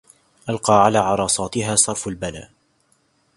ألقى على عرصاتها صرف البلى